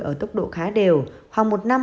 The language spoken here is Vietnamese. ở tốc độ khá đều khoảng một năm